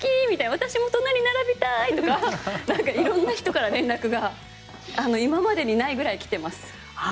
私も隣に並びたい！とか色んな人から連絡が今までにないぐらい来ています。